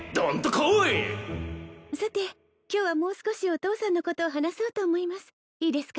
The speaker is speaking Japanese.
さて今日はもう少しお父さんのことを話そうと思いますいいですか？